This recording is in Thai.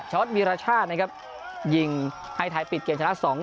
อตวีรชาตินะครับยิงให้ไทยปิดเกมชนะ๒๐